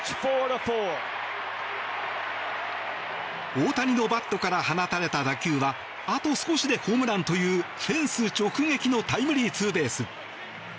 大谷のバットから放たれた打球はあと少しでホームランというフェンス直撃のタイムリーツーベース。